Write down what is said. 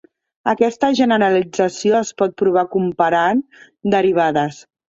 Aquesta generalització es pot provar comparant derivades.